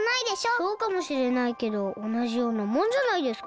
そうかもしれないけどおなじようなもんじゃないですか。